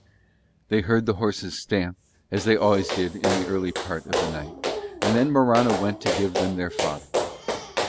They heard the horses stamp as they always did in the early part of the night; and then Morano went to give them their fodder.